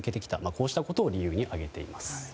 こうしたことを理由に挙げています。